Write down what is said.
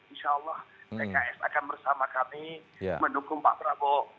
insya allah pks akan bersama kami mendukung pak prabowo